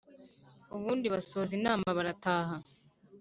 ubundi basoza inama barataha.